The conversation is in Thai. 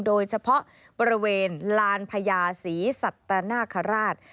โดยเฉพาะบริเวณลานพญาศรีสัตนาคาราช